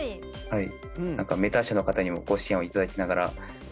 はい。